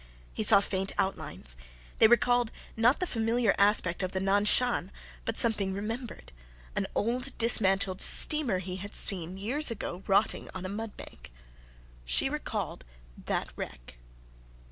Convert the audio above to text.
He saw faint outlines. They recalled not the familiar aspect of the Nan Shan, but something remembered an old dismantled steamer he had seen years ago rotting on a mudbank. She recalled that wreck.